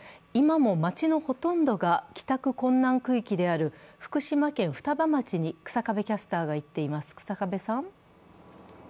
今も町のほとんどが帰宅困難区域である福島県双葉町に日下部キャスターが行っています。